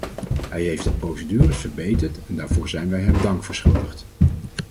Hij heeft de procedures verbeterd en daarvoor zijn wij hem dank verschuldigd.